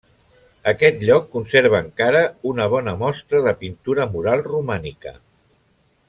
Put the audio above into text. Aquest lloc conserva encara una bona mostra de pintura mural romànica.